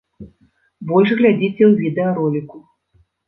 Больш глядзіце ў відэароліку.